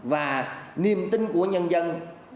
và niềm tin của nhân dân